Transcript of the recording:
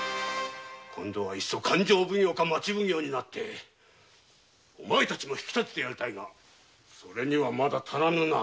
今度はいっそ勘定奉行か町奉行になってお前たちも引き立ててやりたいがそれにはまだ足りぬな。